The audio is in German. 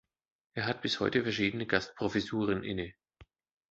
Er hat bis heute verschiedene Gastprofessuren inne.